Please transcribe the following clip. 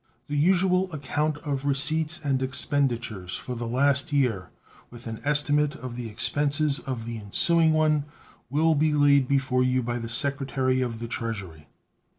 The usual account of receipts and expenditures for the last year, with an estimate of the expenses of the ensuing one, will be laid before you by the Secretary of the Treasury.